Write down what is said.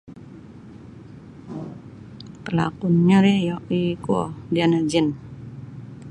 Palakunnyo ri yo ikuo Ziana Zain.